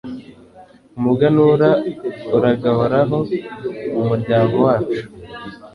umuganura uragahoraho mu muryango wacu